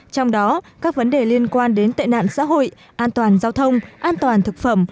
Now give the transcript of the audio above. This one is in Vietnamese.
trong đó các vấn đề liên quan đến tệ nạn xã hội an toàn giao thông an toàn thực phẩm